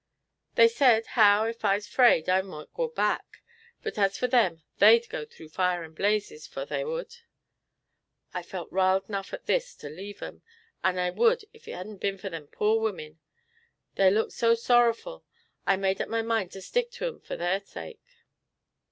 They said how ef I's 'fraid I mought go back, but as for them they'd go through fire and blazes 'fore they would. I felt riled 'nough at this to leave 'em, and I would ef it hadn't been fur them poor women; they looked so sorrerful I made up my mind to stick to 'em fur thar sake.